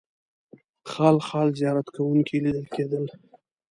خال خال زیارت کوونکي لیدل کېدل.